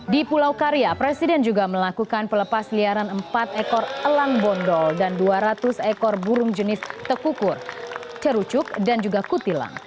di pulau karya presiden juga melakukan pelepas liaran empat ekor elang bondol dan dua ratus ekor burung jenis tekukur cerucuk dan juga kutilang